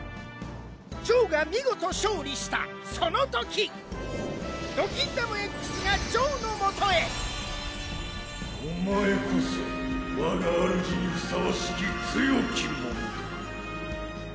ジョーが見事勝利したそのときドキンダムＸがジョーのもとへお前こそが我が主にふさわしき強き者だ。